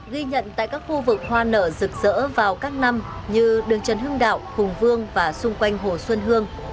ghi nhận tại các khu vực hoa nở rực rỡ vào các năm như đường trần hưng đạo hùng vương và xung quanh hồ xuân hương